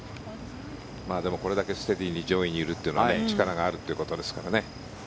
でもこれだけステディーに上位にいるというのは力があるということですからね。